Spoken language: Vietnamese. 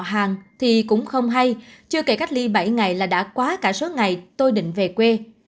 khách hàng thì cũng không hay chưa kể cách ly bảy ngày là đã quá cả số ngày tôi định về quê